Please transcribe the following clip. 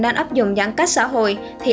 đang ấp dụng giãn cách xã hội thì